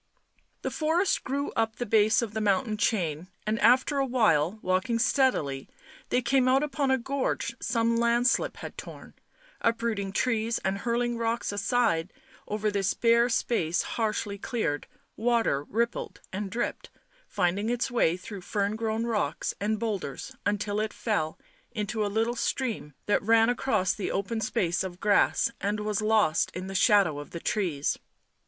The forest grew up the base of the mountain chain, and after a while, walking steadily, they came out upon a gorge some landslip had torn, uprooting trees and hurling aside rocks ; over this bare space harshly cleared, water rippled and dripped, finding its way through fern grown rocks and boulders until it fell into a little stream that ran across the open space of grass and was lost in the shadow of the trees.